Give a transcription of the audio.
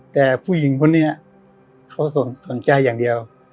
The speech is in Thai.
แต่ผู้หญิงคนนี้เขาสนใจอย่างเดียว